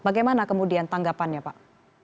bagaimana kemudian tanggapannya pak